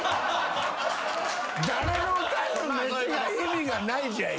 誰のおかんの飯が意味がないじゃい！